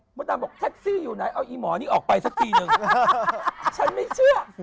หมดดำจะม็อะทักซิไหนเอาไอ้หมอนี่ออกไปนึงฉันไม่เชื่อ